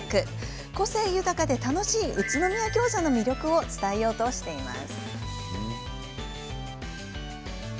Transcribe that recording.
個性豊かで楽しい宇都宮ギョーザの魅力を伝えようとしています。